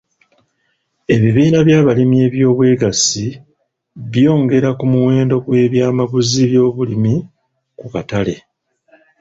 Ebibiina by'abalimi eby'obwegassi byongera ku muwendo gw'eby'amaguzi by'obulimi ku katale.